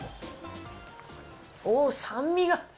おー、酸味が！